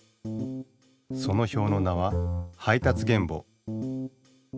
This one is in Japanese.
そのひょうの名は配達原簿。